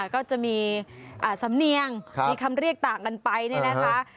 ก็จะมีสำเนียงมีคำเรียกต่างกันไปเนี่ยนะคะ